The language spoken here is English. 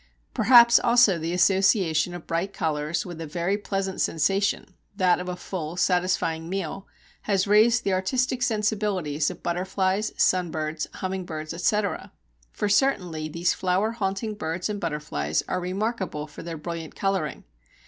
Perhaps also the association of bright colours with a very pleasant sensation that of a full, satisfying meal has raised the artistic sensibilities of butterflies, sunbirds, humming birds, etc. For certainly these flower haunting birds and butterflies are remarkable for their brilliant colouring.